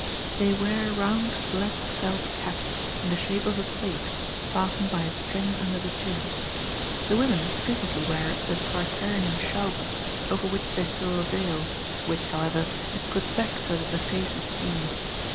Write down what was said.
They wear round black felt caps, in the shape of a plate, fastened by a string under the chin. The women frequently wear the Tartarian schaube, over which they throw a veil, which, however, is put back so that the face is seen.